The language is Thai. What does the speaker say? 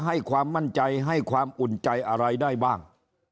ให้ความมั่นใจให้ความอุ่นใจอะไรได้บ้าง